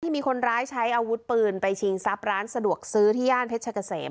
มีคนร้ายใช้อาวุธปืนไปชิงทรัพย์ร้านสะดวกซื้อที่ย่านเพชรเกษม